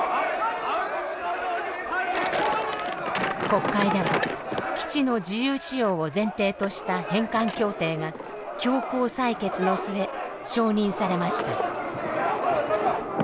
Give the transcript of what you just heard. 国会では基地の自由使用を前提とした返還協定が強行採決の末承認されました。